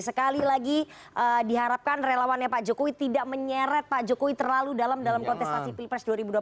sekali lagi diharapkan relawannya pak jokowi tidak menyeret pak jokowi terlalu dalam dalam kontestasi pilpres dua ribu dua puluh